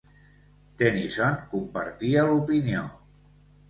Tennyson compartia l'opinió.